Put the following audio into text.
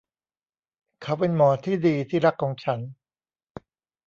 เขาเป็นหมอที่ดีที่รักของฉัน ?